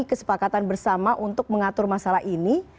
kesepakatan bersama untuk mengatur masalah ini